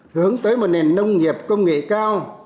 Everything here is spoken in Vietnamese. hướng tới một nền nông nghiệp công nghệ cao